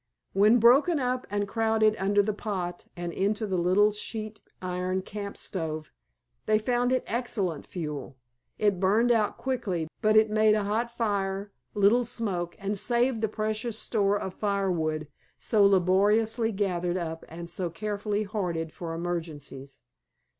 When broken up and crowded under the pot and into the little sheet iron camp stove they found it excellent fuel. It burned out quickly, but made a hot fire, little smoke, and saved the precious store of firewood so laboriously gathered up and so carefully hoarded for emergencies.